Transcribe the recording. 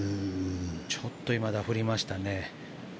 ちょっと今、ダフりましたね。